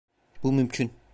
Bu mümkün.